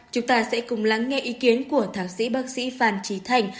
chúng ta sẽ cùng lắng nghe ý kiến của thạc sĩ bác sĩ phan trí thành